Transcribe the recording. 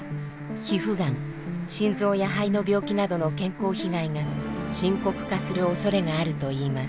皮膚がん心臓や肺の病気などの健康被害が深刻化するおそれがあるといいます。